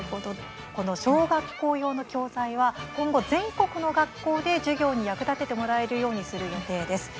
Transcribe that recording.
この小学校用の教材は今後、全国の学校で授業に役立ててもらえるようにする予定です。